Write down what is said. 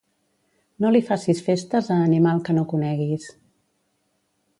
No li facis festes a animal que no coneguis.